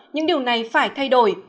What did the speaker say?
những điều này phải thay đổi